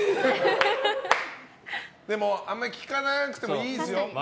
でも、あんまり聞かなくてもいいですよ。